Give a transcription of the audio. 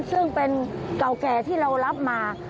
ซึ่งเป็นเก่าแก่ที่เรารับมา